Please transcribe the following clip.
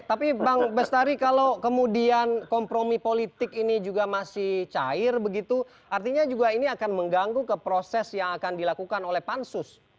tapi bang bestari kalau kemudian kompromi politik ini juga masih cair begitu artinya juga ini akan mengganggu ke proses yang akan dilakukan oleh pansus